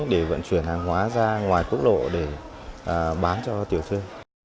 để vận chuyển hàng hóa ra ngoài quốc lộ để bán cho tiểu thương